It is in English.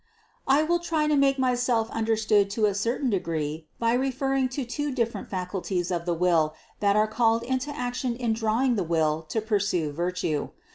601. I will try to make myself understood to a certain degree by referring to two different faculties of the will that are called into action in drawing the will to pursue virtue.